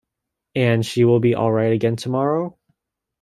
And she will be all right again tomorrow?